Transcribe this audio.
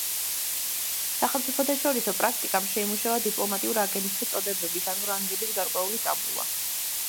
სახელმწიფოთაშორისო პრაქტიკამ შეიმუშავა დიპლომატიურ აგენტთა წოდებების, ანუ რანგების გარკვეული ტაბულა.